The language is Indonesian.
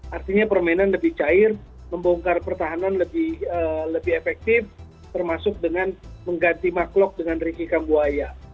artinya permainan lebih cair membongkar pertahanan lebih efektif termasuk dengan mengganti maklok dengan ricky kambuaya